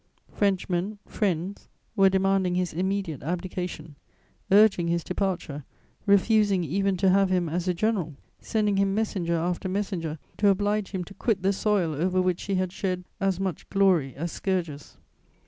Frenchmen, friends, were demanding his immediate abdication, urging his departure, refusing even to have him as a general, sending him messenger after messenger, to oblige him to quit the soil over which he had shed as much glory as scourges.